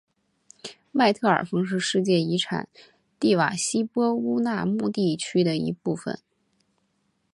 麦特尔峰是世界遗产蒂瓦希波乌纳穆地区的一部分。